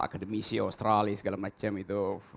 akademisi australia segala macam itu